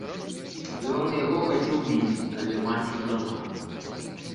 Ён яго хацеў біць, але маці не дала.